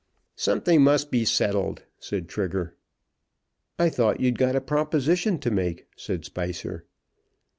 "Something must be settled," said Trigger. "I thought you'd got a proposition to make," said Spicer.